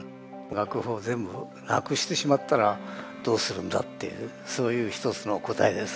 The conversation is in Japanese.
楽譜を全部なくしてしまったらどうするんだっていうそういう一つの答えです。